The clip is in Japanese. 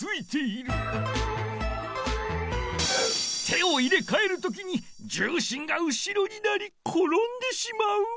手を入れかえるときに重心が後ろになりころんでしまう。